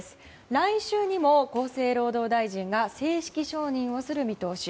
来週にも厚生労働大臣が正式承認する見通し。